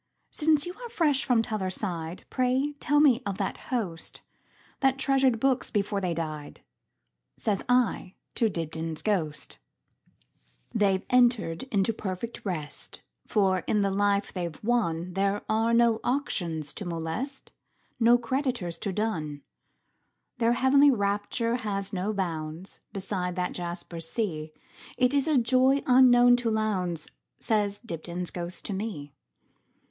"Since you are fresh from t'other side, Pray tell me of that hostThat treasured books before they died,"Says I to Dibdin's ghost."They 've entered into perfect rest; For in the life they 've wonThere are no auctions to molest, No creditors to dun. Their heavenly rapture has no boundsBeside that jasper sea; It is a joy unknown to Lowndes,"Says Dibdin's ghost to me.